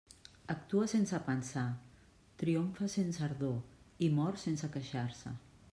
Actua sense pensar, triomfa sense ardor, i mor sense queixar-se.